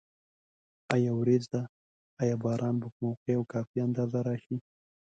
آیا وریځ ده؟ آیا باران به په موقع او کافي اندازه راشي؟